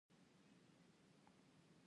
ایا ستاسو شامپو به کیفیت و نه لري؟